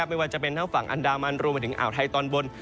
ไม่ว่าจะเป็นทั้งฝั่งอันดามันรวมไปถึงอ่าวไทยตอนบน